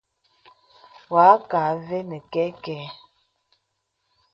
Wà àkə avɛ nə kɛ̄kɛ.